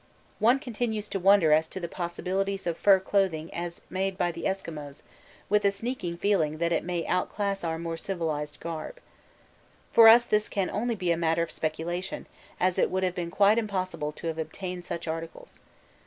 One continues to wonder as to the possibilities of fur clothing as made by the Esquimaux, with a sneaking feeling that it may outclass our more civilised garb. For us this can only be a matter of speculation, as it would have been quite impossible to have obtained such articles.